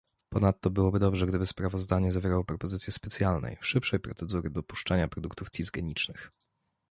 Ponadto byłoby dobrze, gdyby sprawozdanie zawierało propozycję specjalnej, szybszej procedury dopuszczania produktów cisgenicznych